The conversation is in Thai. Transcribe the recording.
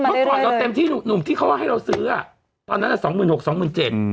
เมื่อก่อนเราเต็มที่หนุ่มที่เขาว่าให้เราซื้อตอนนั้น๒๖๐๐๐๒๗๐๐๐บาท